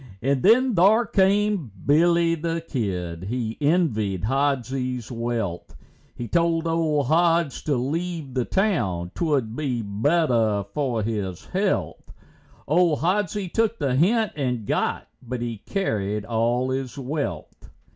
And then thar came Billy the Kid, he envied Hodsie's wealth, He told old Hods to leave the town, 'twould be better for his health; Old Hodsie took the hint and got, but he carried all his wealth.